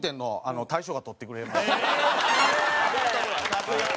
さすが！